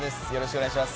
お願いします。